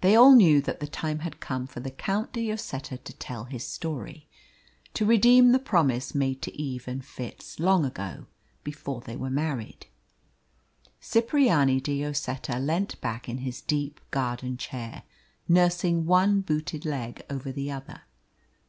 They all knew that the time had come for the Count de Lloseta to tell his story to redeem the promise made to Eve and Fitz long ago, before they were married. Cipriani de Lloseta leant back in his deep garden chair nursing one booted leg over the other.